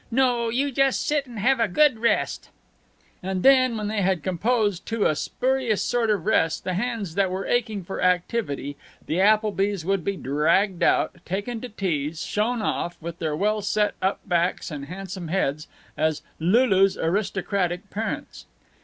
No, you just sit and have a good rest." And then, when they had composed to a spurious sort of rest the hands that were aching for activity, the Applebys would be dragged out, taken to teas, shown off, with their well set up backs and handsome heads, as Lulu's aristocratic parents.